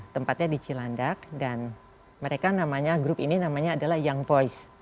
tempatnya di cilandak dan mereka namanya grup ini namanya adalah young boys